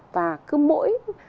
và cứ mỗi